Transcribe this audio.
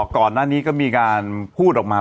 ก่อนหน้านี้ก็มีการพูดออกมา